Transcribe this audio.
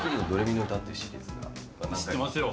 知ってますよ。